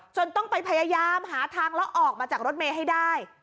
ต้องไปพยายามหาทางแล้วออกมาจากรถเมย์ให้ได้